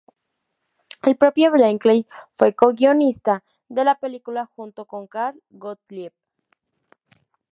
El propio Benchley fue coguionista de la película junto con Carl Gottlieb.